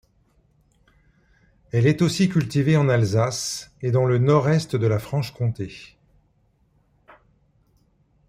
Elle est aussi cultivée en Alsace et dans le nord-est de la Franche-Comté.